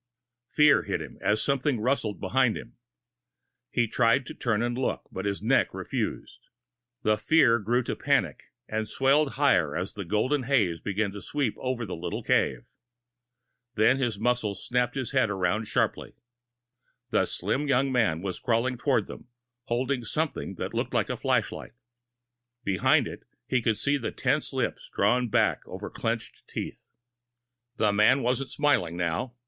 Fear hit him, as something rustled behind him. He tried to turn and look, but his neck refused. The fear grew to panic, and swelled higher as the golden haze began to spread over the little cave. Then his muscles snapped his head around sharply. The slim young man was crawling toward them, holding something that looked like a flashlight. Behind it, he could see the tense lips drawn back over clenched teeth. The man wasn't smiling now.